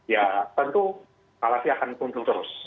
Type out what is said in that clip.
ya tentu eskalasi akan punterus